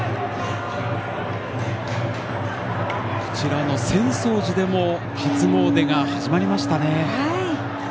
こちらの浅草寺でも初詣が始まりましたね。